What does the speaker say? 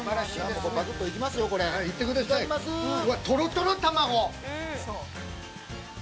◆とろとろ！